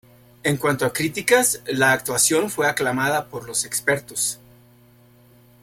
En cuánto a críticas, la actuación fue aclamada por los expertos.